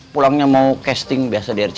pulangnya mau casting biasa di rc